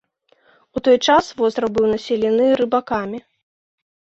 У той час востраў быў населены рыбакамі.